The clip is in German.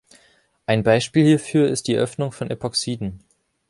Ein Beispiel hierfür ist die Öffnung von Epoxiden.